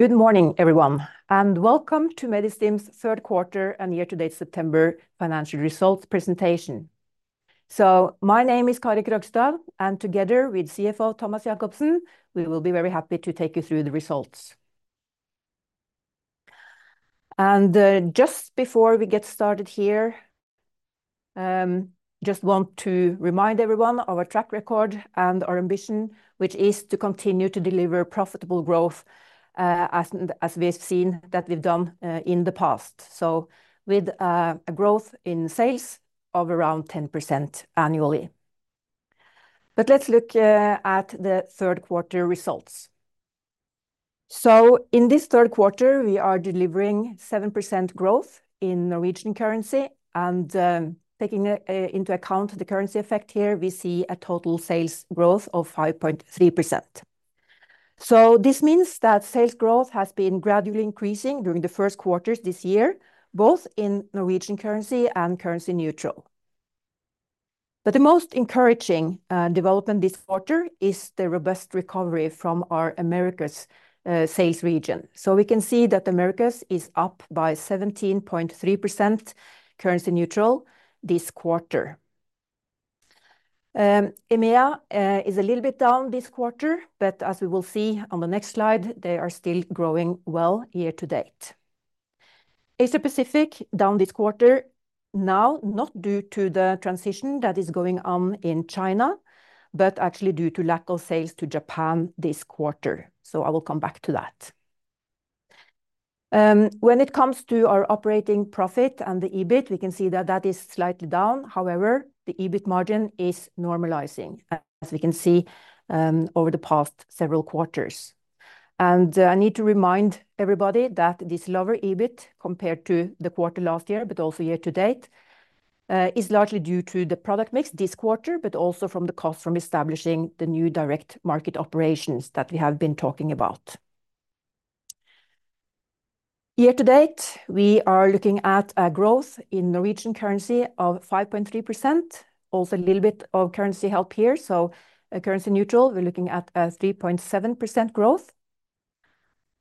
Good morning, everyone, and welcome to Medistim's third quarter and year-to-date September financial results presentation, so my name is Kari Krøgstad, and together with CFO Thomas Jakobsen, we will be very happy to take you through the results, and just before we get started here, just want to remind everyone of our track record and our ambition, which is to continue to deliver profitable growth, as we've seen that we've done in the past, so with a growth in sales of around 10% annually, but let's look at the third quarter results. So in this third quarter, we are delivering 7% growth in Norwegian currency, and taking into account the currency effect here, we see a total sales growth of 5.3%. So this means that sales growth has been gradually increasing during the first quarters this year, both in Norwegian currency and currency neutral. But the most encouraging development this quarter is the robust recovery from our Americas sales region. So we can see that Americas is up by 17.3% currency neutral this quarter. EMEA is a little bit down this quarter, but as we will see on the next slide, they are still growing well year-to-date. Asia-Pacific, down this quarter, not due to the transition that is going on in China, but actually due to lack of sales to Japan this quarter. So I will come back to that. When it comes to our operating profit and the EBIT, we can see that that is slightly down. However, the EBIT margin is normalizing, as we can see, over the past several quarters. And I need to remind everybody that this lower EBIT, compared to the quarter last year, but also year-to-date, is largely due to the product mix this quarter, but also from the cost from establishing the new direct market operations that we have been talking about. Year-to-date, we are looking at a growth in Norwegian currency of 5.3%. Also, a little bit of currency help here, so currency neutral, we're looking at a 3.7% growth.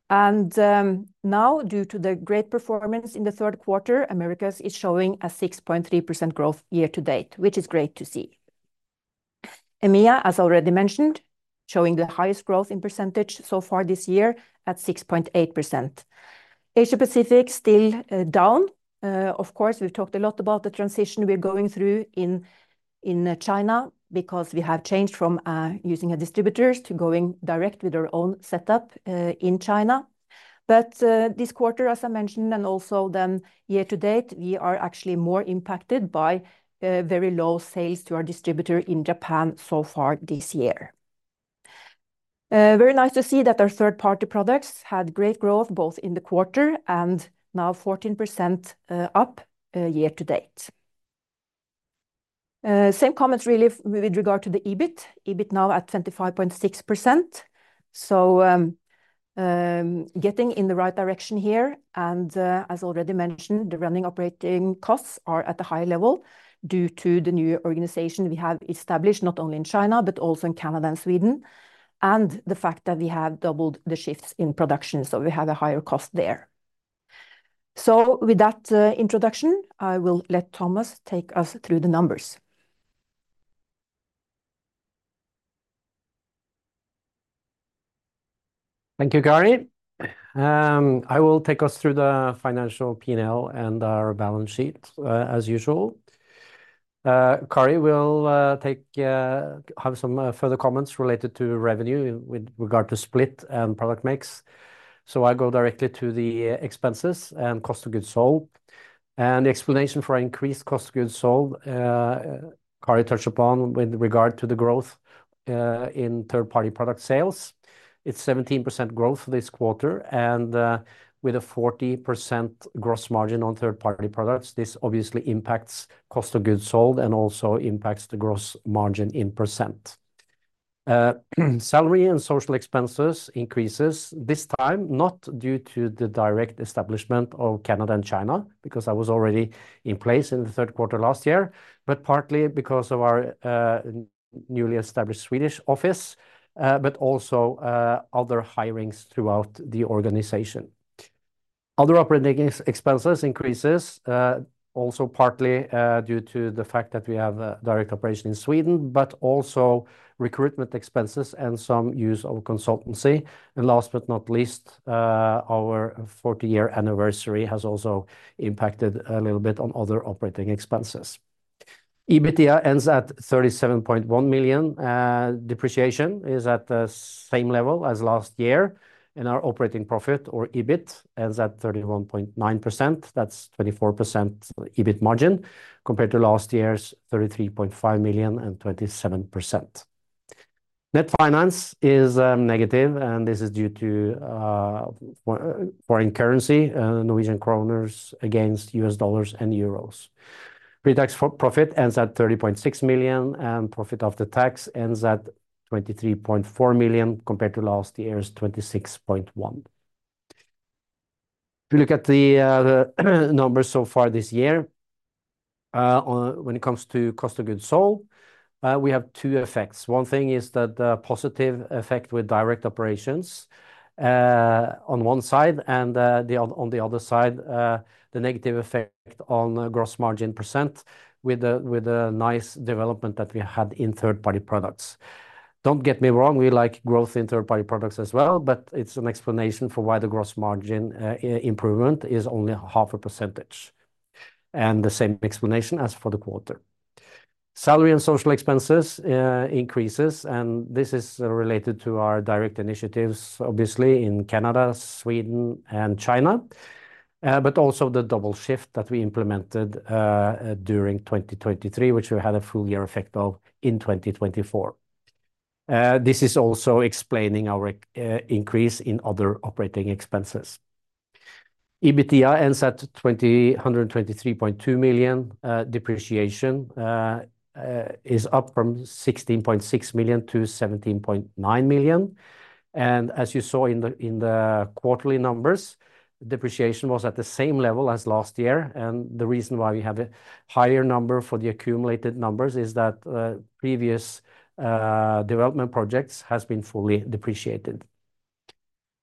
And, now, due to the great performance in the third quarter, Americas is showing a 6.3% growth year-to-date, which is great to see. EMEA, as already mentioned, showing the highest growth in percentage so far this year at 6.8%. Asia-Pacific, still down. Of course, we've talked a lot about the transition we're going through in China because we have changed from using distributors to going direct with our own setup in China, but this quarter, as I mentioned, and also then year-to-date, we are actually more impacted by very low sales to our distributor in Japan so far this year. Very nice to see that our third-party products had great growth, both in the quarter and now 14% up year-to-date. Same comments, really, with regard to the EBIT. EBIT now at 25.6%. So, getting in the right direction here, and, as already mentioned, the running operating costs are at a high level due to the new organization we have established, not only in China, but also in Canada and Sweden, and the fact that we have doubled the shifts in production, so we have a higher cost there. So with that introduction, I will let Thomas take us through the numbers. Thank you, Kari. I will take us through the financial P&L and our balance sheet, as usual. Kari will have some further comments related to revenue with regard to split and product mix, so I go directly to the expenses and cost of goods sold, and the explanation for increased cost of goods sold, Kari touched upon with regard to the growth in third-party product sales. It's 17% growth this quarter, and with a 40% gross margin on third-party products, this obviously impacts cost of goods sold and also impacts the gross margin in percent. Salary and social expenses increases, this time, not due to the direct establishment of Canada and China, because that was already in place in the third quarter last year, but partly because of our newly established Swedish office, but also other hirings throughout the organization. Other operating expenses increases, also partly due to the fact that we have a direct operation in Sweden, but also recruitment expenses and some use of consultancy, and last but not least, our 40-year anniversary has also impacted a little bit on other operating expenses. EBITDA ends at 37.1 million. Depreciation is at the same level as last year, and our operating profit, or EBIT, ends at 31.9 million. That's 24% EBIT margin compared to last year's 33.5 million and 27%. Net finance is negative, and this is due to foreign currency, Norwegian kroner against U.S. dollars and euros. Pretax profit ends at 30.6 million, and profit after tax ends at 23.4 million, compared to last year's 26.1 million. If you look at the numbers so far this year, when it comes to cost of goods sold, we have two effects. One thing is that the positive effect with direct operations on one side, and the other, on the other side, the negative effect on gross margin % with a nice development that we had in third-party products. Don't get me wrong, we like growth in third-party products as well, but it's an explanation for why the gross margin improvement is only 0.5%, and the same explanation as for the quarter. Salary and social expenses increases, and this is related to our direct initiatives, obviously, in Canada, Sweden, and China, but also the double shift that we implemented during 2023, which we had a full year effect of in 2024. This is also explaining our increase in other operating expenses. EBITDA ends at 223.2 million. Depreciation is up from 16.6 million-17.9 million. As you saw in the quarterly numbers, depreciation was at the same level as last year. And the reason why we have a higher number for the accumulated numbers is that previous development projects has been fully depreciated.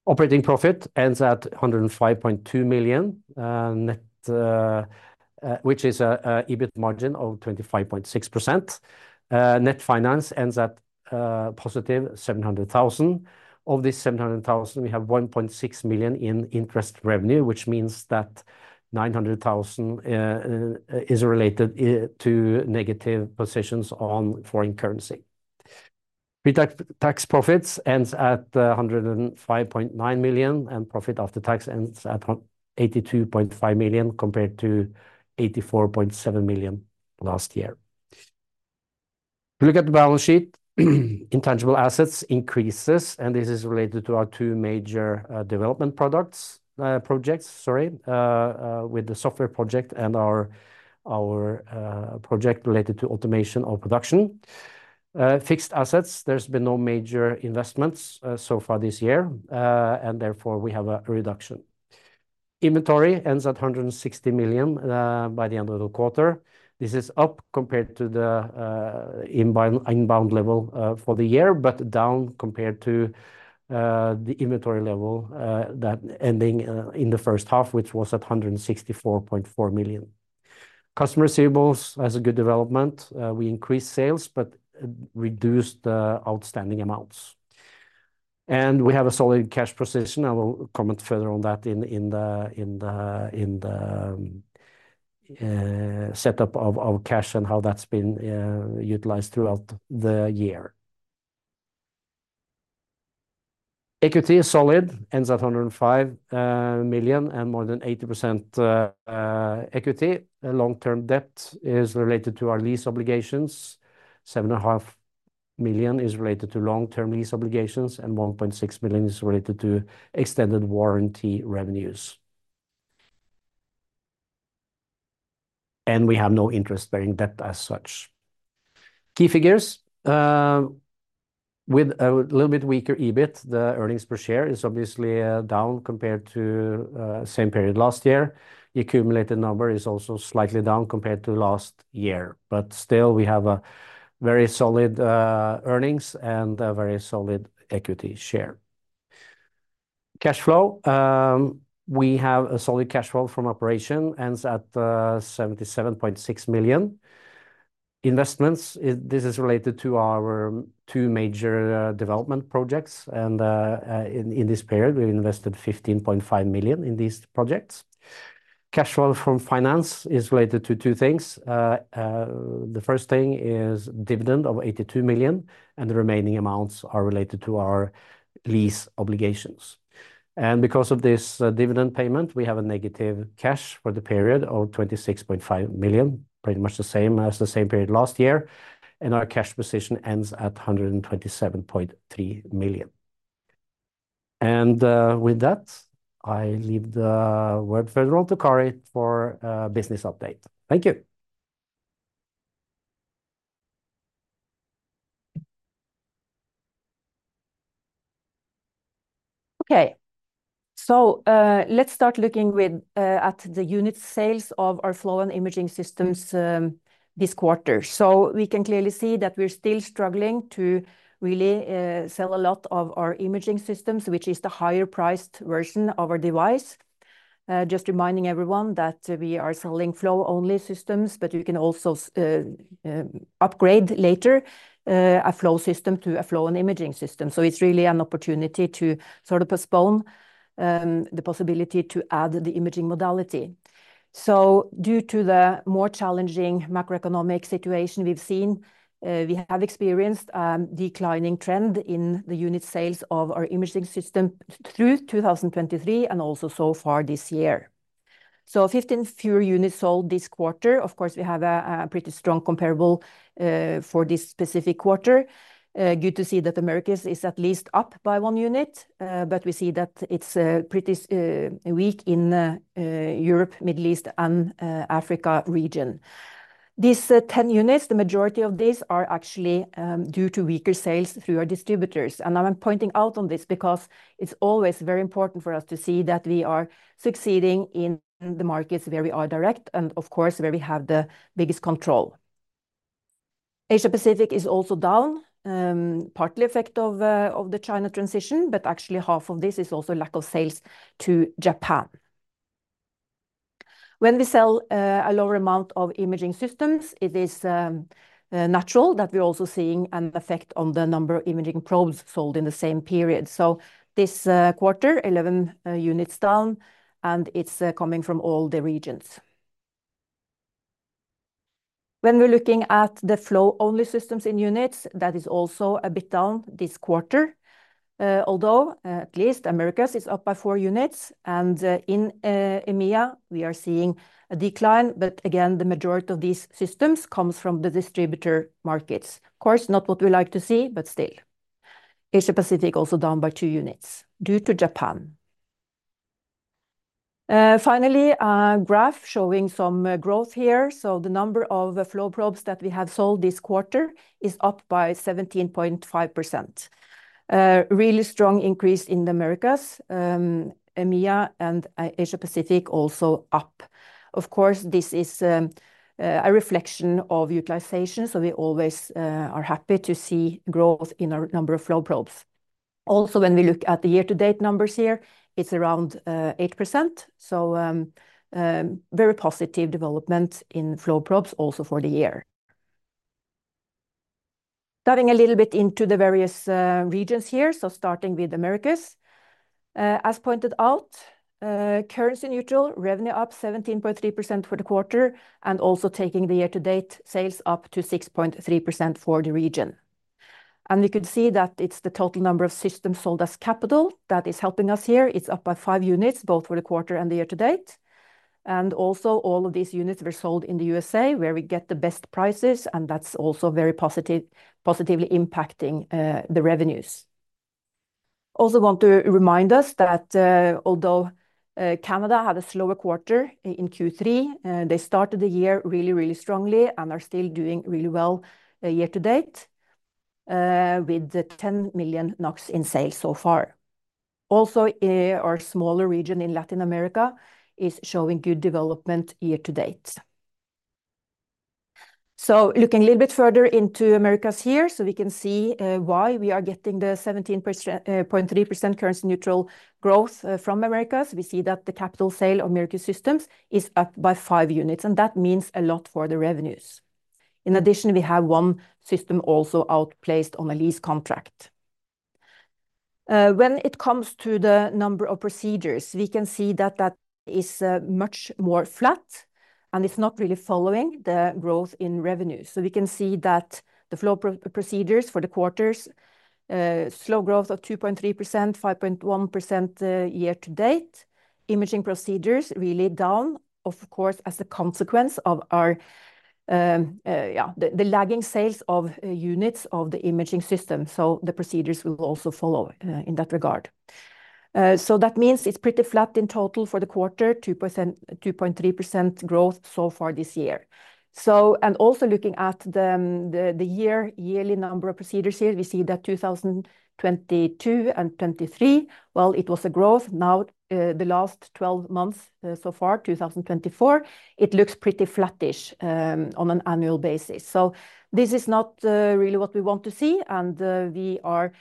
Operating profit ends at 105.2 million net, which is a EBIT margin of 25.6%. Net finance ends at positive 700,000. Of this 700,000, we have 1.6 million in interest revenue, which means that 900,000 is related to negative positions on foreign currency. Pre-tax profits ends at 105.9 million, and profit after tax ends at 182.5 million, compared to 84.7 million last year. If you look at the balance sheet, intangible assets increases, and this is related to our two major development products, projects, sorry, with the software project and our project related to automation of production. Fixed assets, there's been no major investments so far this year, and therefore we have a reduction. Inventory ends at 160 million by the end of the quarter. This is up compared to the inbound level for the year, but down compared to the inventory level that ending in the first half, which was at 164.4 million. Customer receivables has a good development. We increased sales but reduced the outstanding amounts, and we have a solid cash position. I will comment further on that in the setup of cash and how that's been utilized throughout the year. Equity is solid, ends at 105 million, and more than 80% equity. Long-term debt is related to our lease obligations. 7.5 million is related to long-term lease obligations, and 1.6 million is related to extended warranty revenues. And we have no interest-bearing debt as such. Key figures. With a little bit weaker EBIT, the earnings per share is obviously down compared to same period last year. Accumulated number is also slightly down compared to last year. But still, we have a very solid earnings and a very solid equity share. Cash flow. We have a solid cash flow from operation, ends at 77.6 million. Investments, this is related to our two major development projects, and in this period, we've invested 15.5 million in these projects. Cash flow from finance is related to two things. The first thing is dividend of 82 million, and the remaining amounts are related to our lease obligations. Because of this dividend payment, we have a negative cash for the period of 26.5 million, pretty much the same as the same period last year, and our cash position ends at 127.3 million. With that, I leave the word further on to Kari for business update. Thank you. Okay. So, let's start looking at the unit sales of our flow and imaging systems, this quarter. So we can clearly see that we're still struggling to really sell a lot of our imaging systems, which is the higher-priced version of our device. Just reminding everyone that we are selling flow-only systems, but you can also upgrade later, a flow system to a flow and imaging system. So it's really an opportunity to sort of postpone the possibility to add the imaging modality. So due to the more challenging macroeconomic situation we've seen, we have experienced declining trend in the unit sales of our imaging system through two thousand twenty-three and also so far this year. So 15 fewer units sold this quarter. Of course, we have a pretty strong comparable for this specific quarter. Good to see that Americas is at least up by one unit, but we see that it's pretty weak in the Europe, Middle East, and Africa region. These 10 units, the majority of these are actually due to weaker sales through our distributors. And I'm pointing out on this because it's always very important for us to see that we are succeeding in the markets where we are direct and, of course, where we have the biggest control. Asia Pacific is also down, partly effect of the China transition, but actually half of this is also lack of sales to Japan. When we sell a lower amount of imaging systems, it is natural that we're also seeing an effect on the number of imaging probes sold in the same period. So this quarter, 11 units down, and it's coming from all the regions. When we're looking at the flow-only systems in units, that is also a bit down this quarter. Although, at least Americas is up by four units, and in EMEA, we are seeing a decline. But again, the majority of these systems comes from the distributor markets. Of course, not what we like to see, but still. Asia Pacific also down by two units due to Japan. Finally, a graph showing some growth here. So the number of flow probes that we have sold this quarter is up by 17.5%. Really strong increase in the Americas, EMEA and Asia Pacific, also up. Of course, this is a reflection of utilization, so we always are happy to see growth in our number of flow probes. Also, when we look at the year-to-date numbers here, it's around 8%. So, very positive development in flow probes also for the year. Diving a little bit into the various regions here, so starting with Americas. As pointed out, currency neutral, revenue up 17.3% for the quarter, and also taking the year-to-date sales up to 6.3% for the region. And we could see that it's the total number of systems sold as capital that is helping us here. It's up by 5 units, both for the quarter and the year-to-date. And also, all of these units were sold in the USA, where we get the best prices, and that's also very positively impacting the revenues. Also want to remind us that, although, Canada had a slower quarter in Q3, they started the year really, really strongly and are still doing really well, year-to-date, with 10 million NOK in sales so far. Also, our smaller region in Latin America is showing good development year-to-date. So looking a little bit further into Americas here, so we can see why we are getting the 17.3% currency neutral growth from Americas. We see that the capital sale of Americas systems is up by 5 units, and that means a lot for the revenues. In addition, we have one system also outplaced on a lease contract. When it comes to the number of procedures, we can see that that is much more flat, and it's not really following the growth in revenues. So we can see that the flow probe procedures for the quarters, slow growth of 2.3%, 5.1%, year-to-date. Imaging procedures really down, of course, as a consequence of our lagging sales of units of the imaging system, so the procedures will also follow in that regard. So that means it's pretty flat in total for the quarter, 2.3% growth so far this year. So, and also looking at the yearly number of procedures here, we see that 2022 and 2023, well, it was a growth. Now, the last 12 months, so far, 2024, it looks pretty flattish, on an annual basis. So this is not really what we want to see, and we are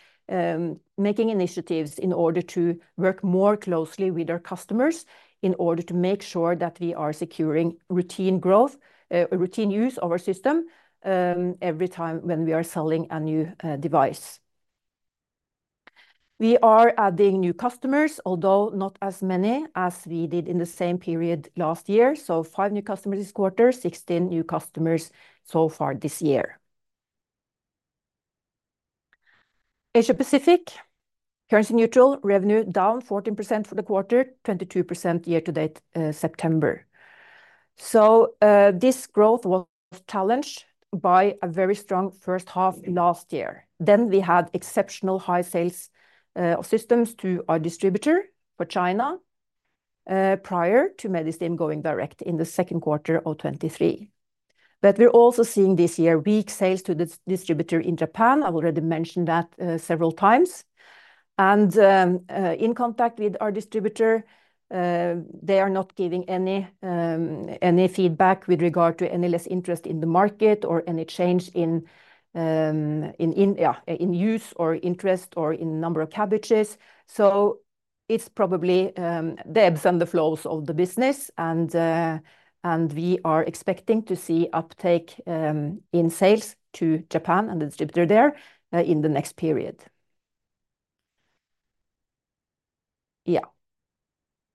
making initiatives in order to work more closely with our customers in order to make sure that we are securing routine growth, routine use of our system, every time when we are selling a new device. We are adding new customers, although not as many as we did in the same period last year. So five new customers this quarter, 16 new customers so far this year. Asia-Pacific, currency neutral, revenue down 14% for the quarter, 22% year-to-date, September, so this growth was challenged by a very strong first half last year. Then we had exceptional high sales of systems to our distributor for China prior to Medistim going direct in the second quarter of 2023. But we're also seeing this year weak sales to the distributor in Japan. I've already mentioned that several times, and in contact with our distributor, they are not giving any feedback with regard to any less interest in the market or any change in, yeah, in use or interest or in number of CABGs. It's probably the ebbs and flows of the business, and we are expecting to see uptake in sales to Japan and the distributor there in the next period. Yeah.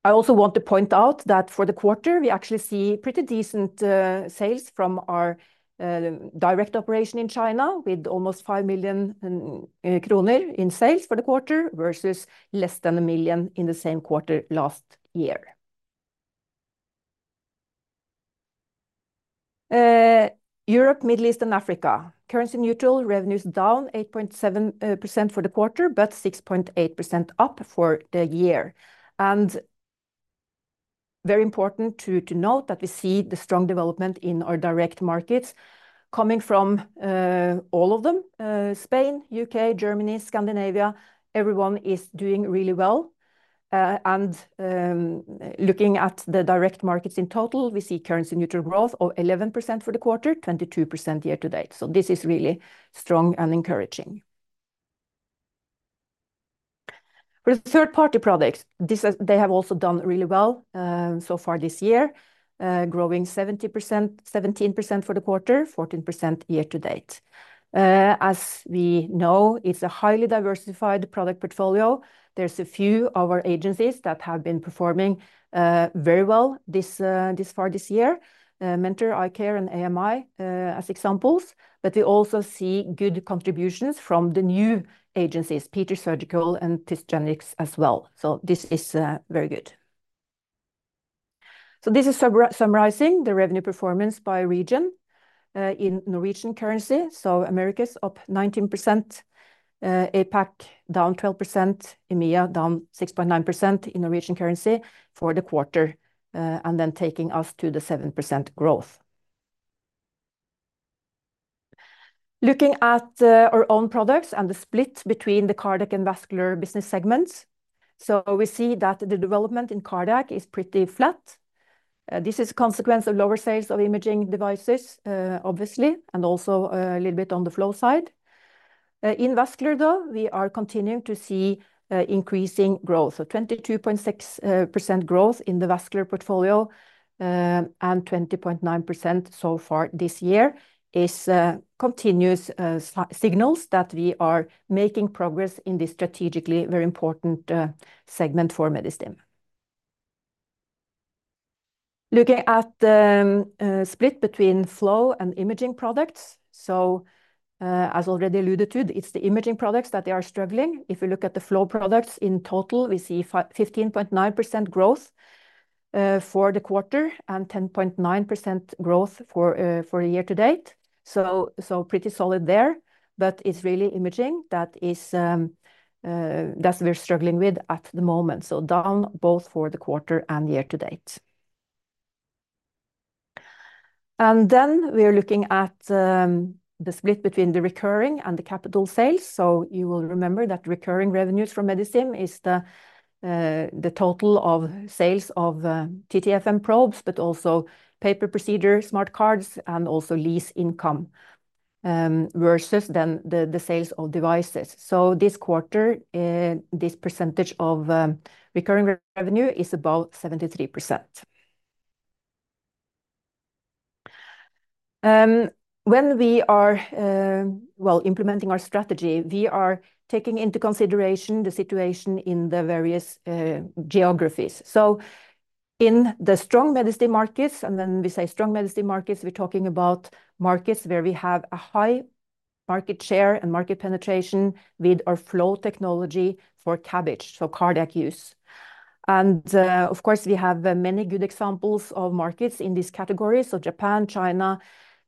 I also want to point out that for the quarter, we actually see pretty decent sales from our direct operation in China, with almost 5 million kroner in sales for the quarter, versus less than 1 million in the same quarter last year. Europe, Middle East and Africa. Currency neutral, revenues down 8.7% for the quarter, but 6.8% up for the year. Very important to note that we see the strong development in our direct markets coming from all of them. Spain, U.K., Germany, Scandinavia, everyone is doing really well. Looking at the direct markets in total, we se currency neutral growth of 11% for the quarter, 22% year-to-date. So this is really strong and encouraging. For the third-party products, they have also done really well so far this year, growing 17% for the quarter, 14% year-to-date. As we know, it's a highly diversified product portfolio. There's a few of our agencies that have been performing very well this far this year. Mentor, iCare, and A.M.I., as examples. But we also see good contributions from the new agencies, Peters Surgical and Tisgenx as well. So this is very good. So this is summarizing the revenue performance by region in Norwegian currency. Americas up 19%, APAC down 12%, EMEA down 6.9% in Norwegian currency for the quarter, and then taking us to the 7% growth. Looking at our own products and the split between the cardiac and vascular business segments. We see that the development in cardiac is pretty flat. This is a consequence of lower sales of imaging devices, obviously, and also a little bit on the flow side. In vascular, though, we are continuing to see increasing growth, so 22.6% growth in the vascular portfolio, and 20.9% so far this year, is continuous signals that we are making progress in this strategically very important segment for Medistim. Looking at the split between flow and imaging products. So, as already alluded to, it's the imaging products that they are struggling. If you look at the flow products in total, we see 15.9% growth for the quarter and 10.9% growth for the year-to-date. So, pretty solid there, but it's really imaging that is that we're struggling with at the moment. So down both for the quarter and year-to-date. And then we are looking at the split between the recurring and the capital sales. So you will remember that recurring revenues from Medistim is the total of sales of TTFM probes, but also pay-per-procedure smart cards and also lease income versus then the sales of devices. So this quarter, this percentage of recurring revenue is about 73%. Well, when we are implementing our strategy, we are taking into consideration the situation in the various geographies. So in the strong Medistim markets, and when we say strong Medistim markets, we're talking about markets where we have a high market share and market penetration with our flow technology for CABG, so cardiac use. And, of course, we have many good examples of markets in these categories. So Japan, China,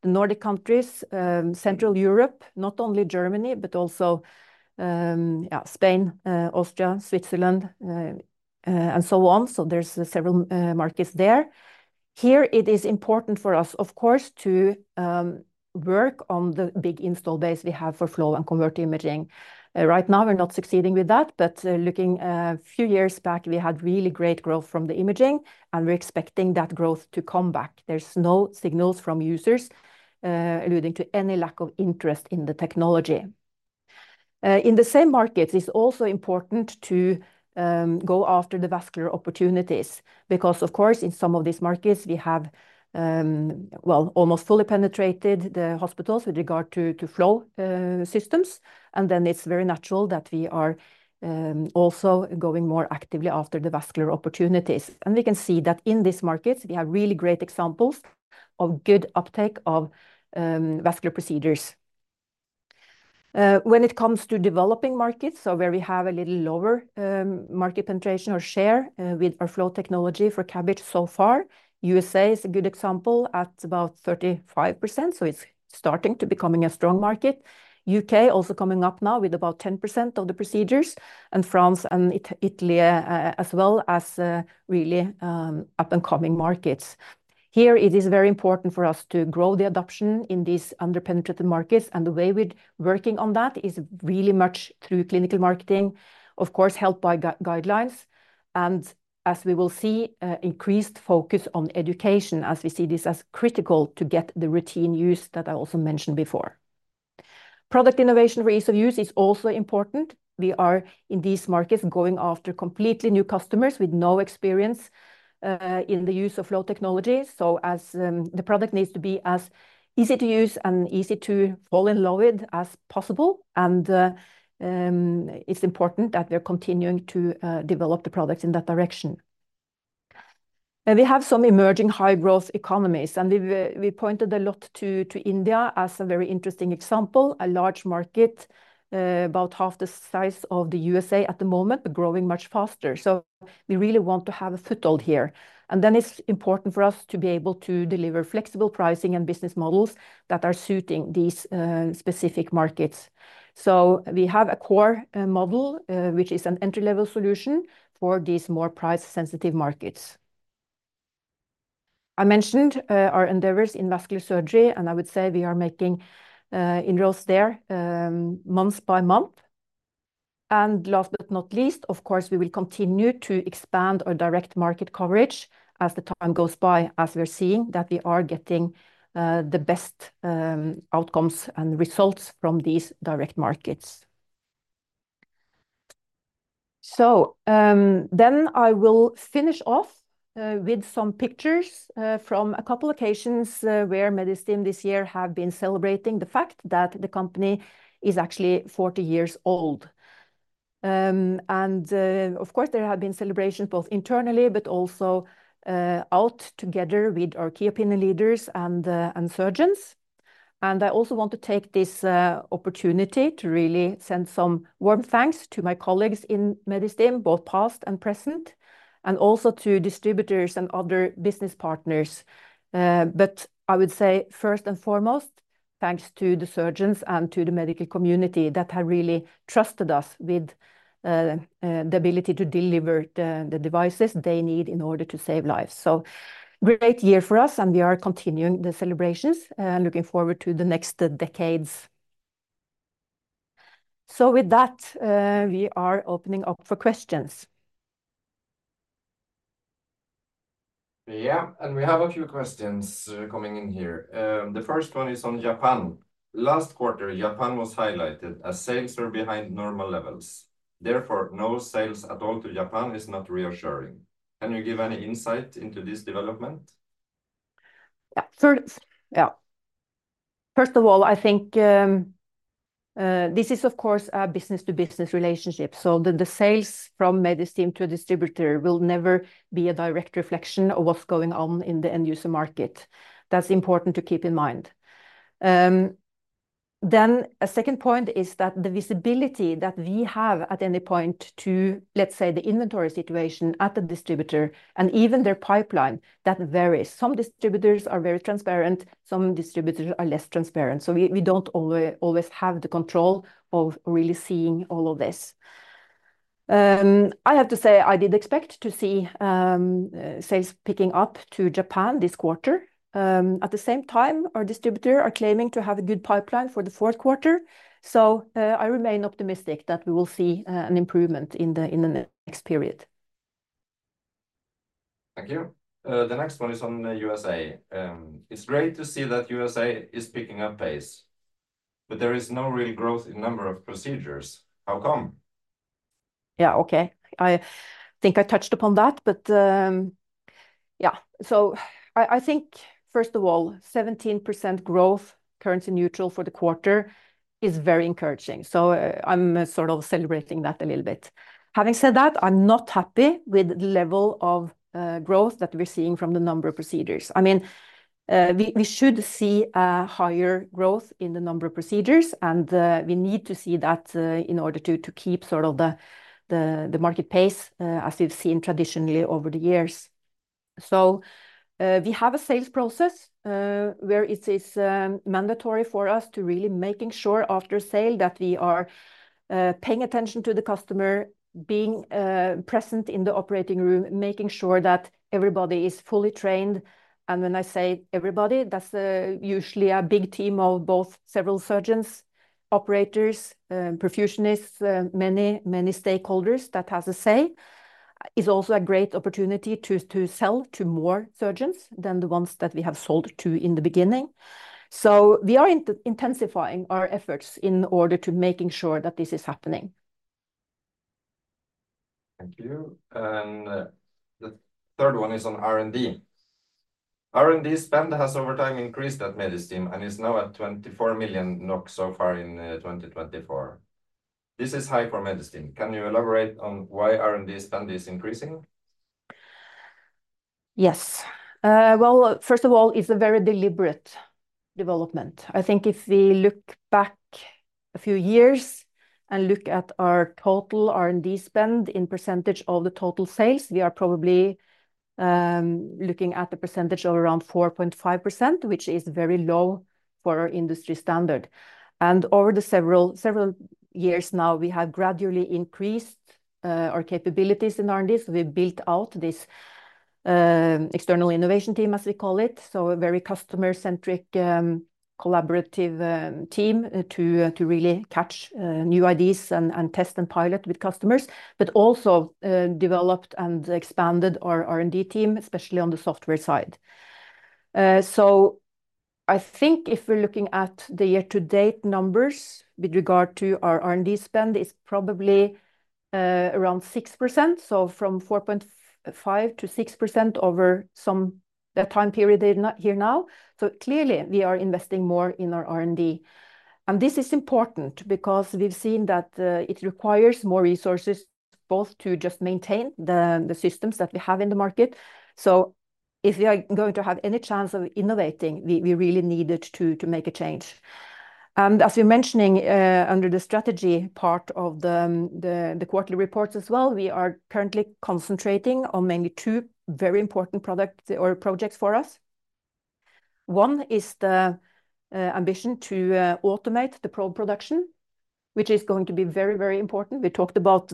the Nordic countries, Central Europe, not only Germany, but also Spain, Austria, Switzerland, and so on. So there's several markets there. Here, it is important for us, of course, to work on the big install base we have for flow and convert imaging. Right now, we're not succeeding with that, but looking a few years back, we had really great growth from the imaging, and we're expecting that growth to come back. There's no signals from users alluding to any lack of interest in the technology. In the same markets, it's also important to go after the vascular opportunities, because of course, in some of these markets, we have well almost fully penetrated the hospitals with regard to flow systems. And then it's very natural that we are also going more actively after the vascular opportunities. And we can see that in this market, we have really great examples of good uptake of vascular procedures. When it comes to developing markets, so where we have a little lower, market penetration or share, with our flow technology for CABG so far, U.S.A. is a good example at about 35%, so it's starting to becoming a strong market. U.K. also coming up now with about 10% of the procedures, and France and Italy, as well as, really, up-and-coming markets. Here, it is very important for us to grow the adoption in these under-penetrated markets, and the way we're working on that is really much through clinical marketing, of course, helped by guidelines, and as we will see, increased focus on education as we see this as critical to get the routine use that I also mentioned before. Product innovation for ease of use is also important. We are, in these markets, going after completely new customers with no experience in the use of flow technology. So as the product needs to be as easy to use and easy to fall in love with as possible, and it's important that we're continuing to develop the products in that direction. And we have some emerging high-growth economies, and we've pointed a lot to India as a very interesting example, a large market about half the size of the U.S.A. at the moment, but growing much faster. So we really want to have a foothold here, and then it's important for us to be able to deliver flexible pricing and business models that are suiting these specific markets. So we have a core model which is an entry-level solution for these more price-sensitive markets.... I mentioned our endeavors in vascular surgery, and I would say we are making inroads there month by month. Last but not least, of course, we will continue to expand our direct market coverage as the time goes by, as we're seeing that we are getting the best outcomes and results from these direct markets. Then I will finish off with some pictures from a couple occasions where Medistim this year have been celebrating the fact that the company is actually forty years old. Of course, there have been celebrations both internally, but also out together with our key opinion leaders and surgeons. I also want to take this opportunity to really send some warm thanks to my colleagues in Medistim, both past and present, and also to distributors and other business partners. I would say, first and foremost, thanks to the surgeons and to the medical community that have really trusted us with the ability to deliver the devices they need in order to save lives. Great year for us, and we are continuing the celebrations, looking forward to the next decades. With that, we are opening up for questions. Yeah, and we have a few questions coming in here. The first one is on Japan. Last quarter, Japan was highlighted as sales are behind normal levels. Therefore, no sales at all to Japan is not reassuring. Can you give any insight into this development? Yeah. First of all, I think this is, of course, a business to business relationship, so the sales from Medistim to a distributor will never be a direct reflection of what's going on in the end user market. That's important to keep in mind. Then a second point is that the visibility that we have at any point to, let's say, the inventory situation at the distributor and even their pipeline, that varies. Some distributors are very transparent, some distributors are less transparent. So we don't always have the control of really seeing all of this. I have to say, I did expect to see sales picking up to Japan this quarter. At the same time, our distributor are claiming to have a good pipeline for the fourth quarter, so I remain optimistic that we will see an improvement in the next period. Thank you. The next one is on the U.S.A.. It's great to see that U.S.A. is picking up pace, but there is no real growth in number of procedures. How come? Yeah, okay. I think I touched upon that, but yeah. So I think, first of all, 17% growth, currency neutral for the quarter, is very encouraging. So I'm sort of celebrating that a little bit. Having said that, I'm not happy with the level of growth that we're seeing from the number of procedures. I mean, we should see a higher growth in the number of procedures, and we need to see that, in order to keep sort of the market pace, as we've seen traditionally over the years. So we have a sales process, where it is mandatory for us to really making sure after sale that we are paying attention to the customer, being present in the operating room, making sure that everybody is fully trained. And when I say everybody, that's usually a big team of both several surgeons, operators, perfusionists, many, many stakeholders that has a say. It's also a great opportunity to sell to more surgeons than the ones that we have sold to in the beginning. So we are intensifying our efforts in order to making sure that this is happening. Thank you. And the third one is on R&D. R&D spend has over time increased at Medistim and is now at 24 million NOK so far in 2024. This is high for Medistim. Can you elaborate on why R&D spend is increasing? Yes. Well, first of all, it's a very deliberate development. I think if we look back a few years and look at our total R&D spend in percentage of the total sales, we are probably looking at a percentage of around 4.5%, which is very low for our industry standard. And over the several years now, we have gradually increased our capabilities in R&D. So we built out this external innovation team, as we call it. So a very customer-centric collaborative team to really catch new ideas and test and pilot with customers, but also developed and expanded our R&D team, especially on the software side. So I think if we're looking at the year-to-date numbers with regard to our R&D spend, it's probably around 6%, so from 4.5%-6% over that time period here now. So clearly, we are investing more in our R&D. This is important because we've seen that it requires more resources, both to just maintain the systems that we have in the market. So if we are going to have any chance of innovating, we really needed to make a change. As you're mentioning, under the strategy part of the quarterly reports as well, we are currently concentrating on mainly two very important product or projects for us. One is the ambition to automate the probe production, which is going to be very, very important. We talked about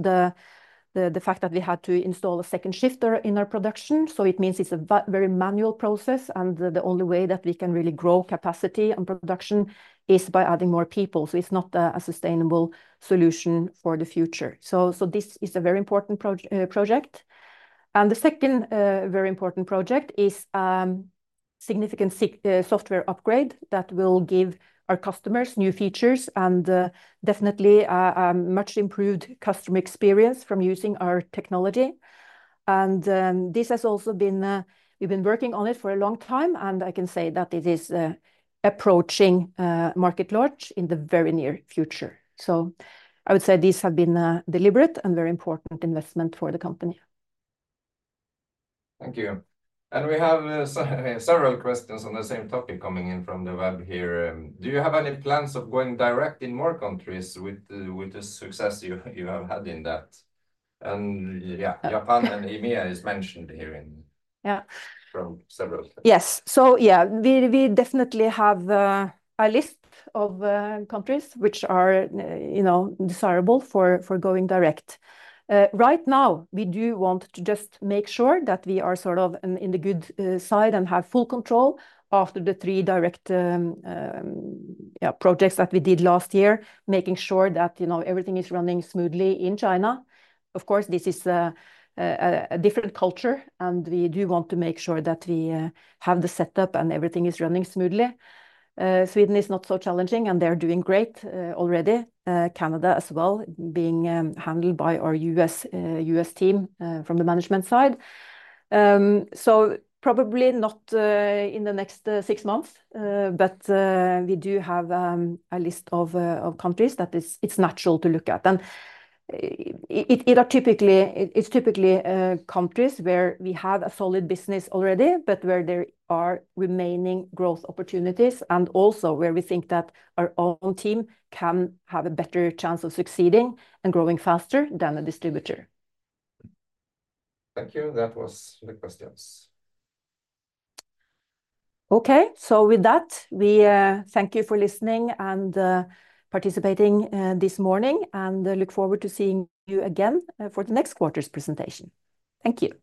the fact that we had to install a second shifter in our production, so it means it's a very manual process, and the only way that we can really grow capacity and production is by adding more people. So it's not a sustainable solution for the future. So this is a very important project. And the second very important project is significant software upgrade that will give our customers new features and definitely much improved customer experience from using our technology. And this has also been. We've been working on it for a long time, and I can say that it is approaching market launch in the very near future. So I would say these have been a deliberate and very important investment for the company. Thank you. And we have several questions on the same topic coming in from the web here. Do you have any plans of going direct in more countries with the success you have had in that? And, yeah, Japan and EMEA is mentioned here in- Yeah -from several. Yes, so yeah, we definitely have a list of countries which are, you know, desirable for going direct. Right now, we do want to just make sure that we are sort of in the good side and have full control after the three direct, yeah, projects that we did last year, making sure that, you know, everything is running smoothly in China. Of course, this is a different culture, and we do want to make sure that we have the setup and everything is running smoothly. Sweden is not so challenging, and they're doing great already. Canada as well, being handled by our U.S. team from the management side. So probably not in the next six months, but we do have a list of countries that it's natural to look at. And it's typically countries where we have a solid business already, but where there are remaining growth opportunities, and also where we think that our own team can have a better chance of succeeding and growing faster than the distributor. Thank you. That was the questions. Okay. So with that, we thank you for listening and participating this morning, and look forward to seeing you again for the next quarter's presentation. Thank you.